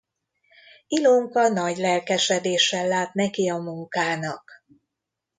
Ilonka nagy lelkesedéssel lát neki a munkának.